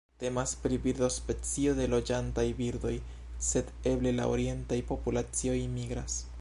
Temas pri birdospecio de loĝantaj birdoj, sed eble la orientaj populacioj migras.